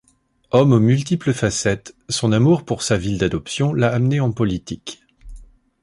Homme aux multiples facettes, son amour pour sa ville d’adoption l’a amené en politique.